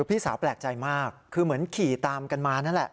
พี่สาวแปลกใจมากคือเหมือนขี่ตามกันมานั่นแหละ